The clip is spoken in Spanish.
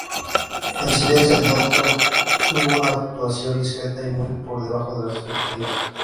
En el Silence-Lotto tuvo una actuación discreta y muy por debajo de las expectativas.